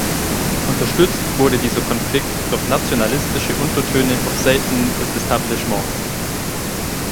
Unterstützt wurde dieser Konflikt durch nationalistische Untertöne auf Seiten des Establishments.